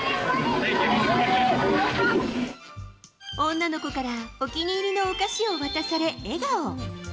女の子から、お気に入りのお菓子を渡され笑顔。